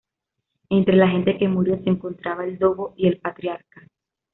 Entre la gente que murió, se encontraban el dogo y el patriarca.